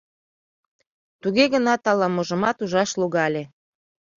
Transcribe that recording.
Туге гынат ала-можымат ужаш логале.